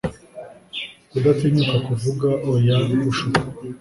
kudatinyuka kuvuga oya gushukwa